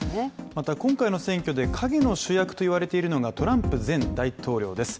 また、今回の選挙で陰の主役と言われているのがトランプ前大統領です。